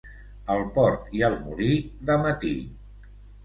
Al port i al molí, de matí.